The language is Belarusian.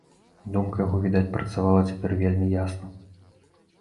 Думка яго, відаць, працавала цяпер вельмі ясна.